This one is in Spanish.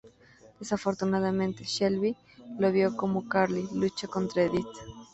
Desafortunadamente, Shelby lo vio como Carly lucha contra Edith.